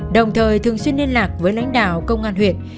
đồng thời thường xuyên liên lạc với lãnh đạo công an huyện